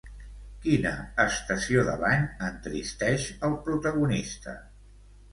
Quina estació de l'any entristeix al protagonista?